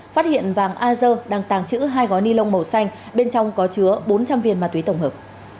phát hiện vàng a dơ đang tàng trữ hai gói ni lông màu xanh bên trong có chứa bốn trăm linh viên ma túy tổng hợp